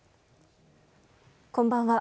こんばんは。